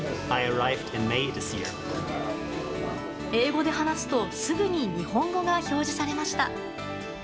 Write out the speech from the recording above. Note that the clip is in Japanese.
英語で話すとすぐに日本語が表示されました。